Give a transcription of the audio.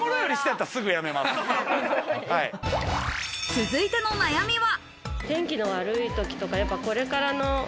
続いての悩みは。